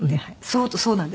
そうなんです。